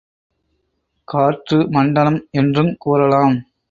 காற்று மண்டலம் என்றுங் கூறலாம்.